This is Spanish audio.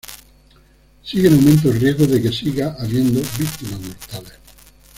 sigue en aumento el riesgo de que siga habiendo víctimas mortales